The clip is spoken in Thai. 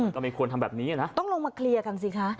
ก็ไม่ควรทำแบบนี้นะต้องลงมาเคลียร์กันสิคะ